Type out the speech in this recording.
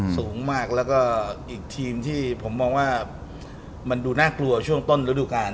สูงมากแล้วก็อีกทีมที่ผมมองว่ามันดูน่ากลัวช่วงต้นฤดูกาล